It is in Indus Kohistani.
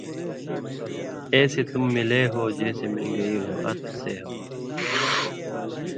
ایسے تم ملے ہو جیسی مل گئ ہو عطر سے ہوا“